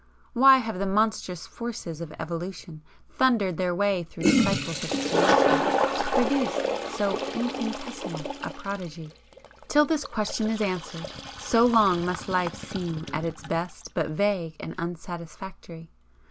Why have the monstrous forces of Evolution thundered their way through cycles of creation to produce so infinitesimal a prodigy? Till this question is answered, so long must life seem at its best but vague and unsatisfactory.